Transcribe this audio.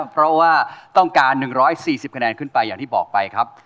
เพราะว่าต้องการ๑๔๐คะแนนขึ้นไปอย่างที่บอกไปครับ